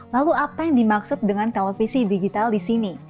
lalu apa yang dimaksud dengan televisi digital di sini